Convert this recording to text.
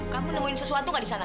kamu nemuin sesuatu gak di sana